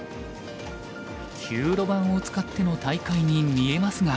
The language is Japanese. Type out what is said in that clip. ９路盤を使っての大会に見えますが。